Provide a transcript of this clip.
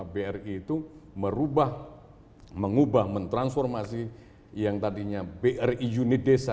bri itu merubah mengubah mentransformasi yang tadinya bri unidesa